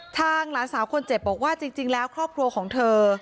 หลานสาวคนเจ็บบอกว่าจริงแล้วครอบครัวของเธอ